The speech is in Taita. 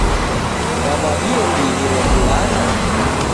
Kwaw'adie ndighi rebulana?